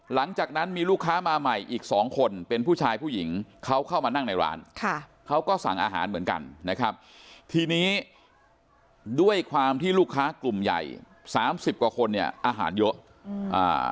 หลังจากนั้นมีลูกค้ามาใหม่อีกสองคนเป็นผู้ชายผู้หญิงเขาเข้ามานั่งในร้านค่ะเขาก็สั่งอาหารเหมือนกันนะครับทีนี้ด้วยความที่ลูกค้ากลุ่มใหญ่สามสิบกว่าคนเนี่ยอาหารเยอะอืมอ่า